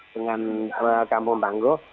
dengan kampung panggung